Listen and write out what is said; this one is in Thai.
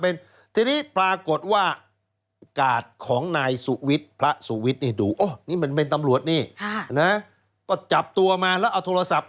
นอกเครื่องแบบแล้วครับ